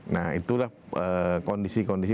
nah itulah kondisi kondisi